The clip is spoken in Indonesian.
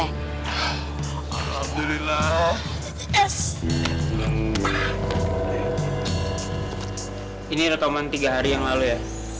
hai alhamdulillah ini rekaman tiga hari yang lalu ya